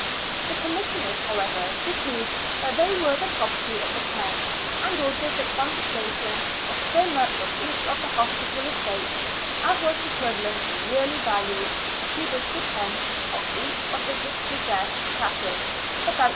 The Commissioners, however, decreed that they were the property of the Crown, and ordered the confiscation of so much of each of the hospital estates as was equivalent in yearly value SUPPRESSION OF CHANTRIES. 21 to the stipend of each of the dispossessed chaplains (about ^6).